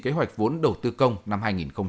kế hoạch vốn đầu tư công năm hai nghìn một mươi chín